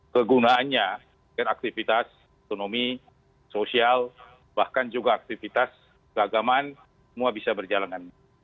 kegunaannya aktivitas ekonomi sosial bahkan juga aktivitas keagamaan semua bisa berjalan